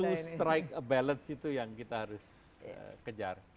untuk mengembangkan balans itu yang kita harus kejar